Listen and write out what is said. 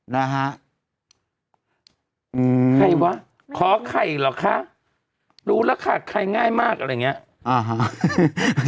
นะฮะอืมใครวะขอไข่เหรอคะรู้แล้วค่ะใครง่ายมากอะไรอย่างเงี้ยอ่าฮะ